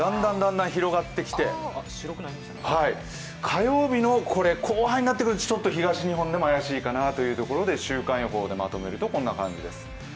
だんだん広がってきて火曜日の後半になってくるとちょっと東日本でも怪しいかなというところで週間予報でまとめるとこんな感じです。